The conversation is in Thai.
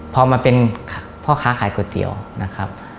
พอมาเป็นพ่อค้าขายก๋วยเตี๋ยวนะครับ